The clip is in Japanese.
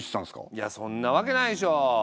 いやそんなわけないでしょう。